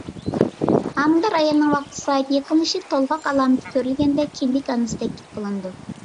ھامىلىدار ئايالنىڭ ۋاقتى-سائىتى يېقىنلىشىپ تولغاق ئالامىتى كۆرۈلگەندە، كىندىك ئانىسى تەكلىپ قىلىنىدۇ.